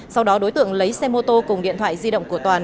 sau đó đối tượng lấy xe mô tô cùng điện thoại di động của toàn